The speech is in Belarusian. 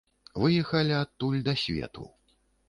Выехалі адтуль да свету.